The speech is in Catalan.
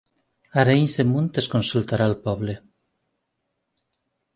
A Arenys de Munt es consultarà al poble